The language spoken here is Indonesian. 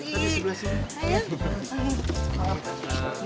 tadi sebelah sini